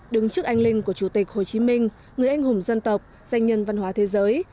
đứng trước anh linh của chủ tịch hồ chí minh người anh hùng dân tộc danh nhân văn hóa thế giới